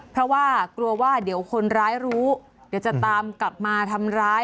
เพราะว่ากลัวว่าเดี๋ยวคนร้ายรู้เดี๋ยวจะตามกลับมาทำร้าย